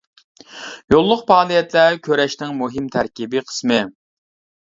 يوللۇق پائالىيەتلەر كۈرەشنىڭ مۇھىم تەركىبى قىسمى.